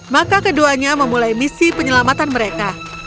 maka keduanya memulai misi penyelamatan mereka